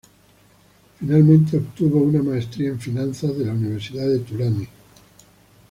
Finalmente obtuvo una maestría en Finanzas de la Universidad de Tulane.